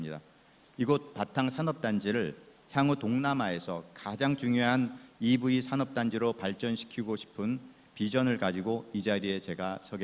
dan presiden jawa tengah